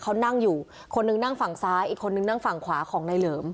เขานั่งอยู่คนหนึ่งนั่งฝั่งซ้ายอีกคนนึงนั่งฝั่งขวาของนายเหลิม